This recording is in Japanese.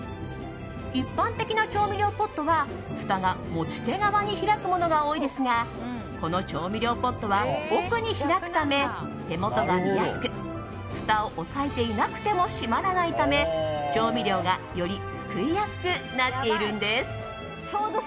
一般的な調味料ポットはふたが持ち手側に開くものが多いですがこの調味料ポットは奥に開くため手元が見やすくふたを押さえていなくても閉まらないため調味料が、よりすくいやすくなっているんです。